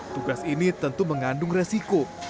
tugas ini tentu mengandung resiko